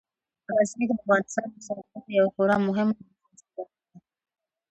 غزني د افغانستان د صادراتو یوه خورا مهمه او اساسي برخه ده.